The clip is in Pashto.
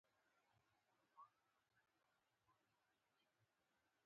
انسټاګرام د بصري برانډ ځواکمن ځای دی.